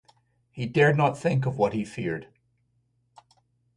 He dared not think of what he feared.